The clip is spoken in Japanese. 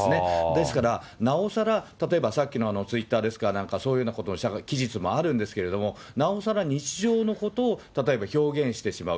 ですからなおさら、例えばさっきのツイッターですか、なんかそういうことの記述もあるんですけれども、なおさら日常のことを例えば表現してしまう。